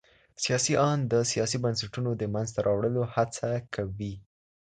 سياسي آند د سياسي بنسټونو د منځته راوړلو هڅه کوي.